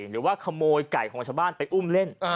หรือว่าขโมยไก่ของชาวบ้านไปอุ้มเล่น